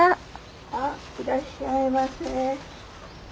あいらっしゃいませ。